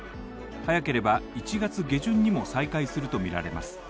早ければ１月下旬にも再開するとみられます。